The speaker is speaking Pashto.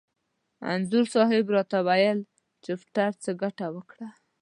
انځور صاحب را ته وویل: چپټر څه ګټه وکړه؟